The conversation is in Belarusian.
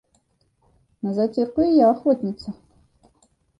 На зацірку і я ахвотніца!